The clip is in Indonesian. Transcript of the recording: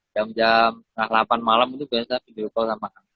jam jam delapan malam itu biasa video call sama kami